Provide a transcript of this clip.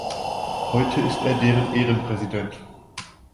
Heute ist er deren Ehrenpräsident.